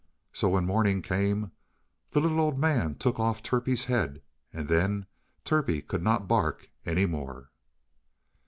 So when morning came, the little old man took off Turpie's head, and then Turpie could not bark any more.